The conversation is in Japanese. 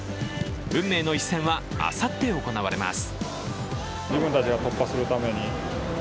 運命の一戦は、あさって行われます